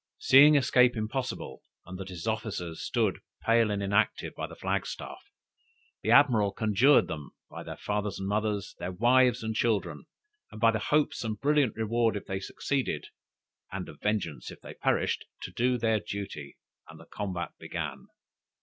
Seeing escape impossible, and that his officers stood pale and inactive by the flag staff, the Admiral conjured them, by their fathers and mothers, their wives and children, and by the hopes of brilliant reward if they succeeded, and of vengeance if they perished, to do their duty, and the combat began.